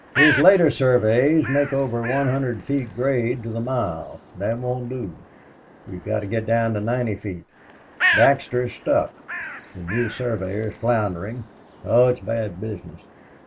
His later surveys make over one hundred feet grade to the mile. That won't do. We've got to get down to ninety feet. Baxter's stuck. The new surveyor is floundering. Oh, it's bad business.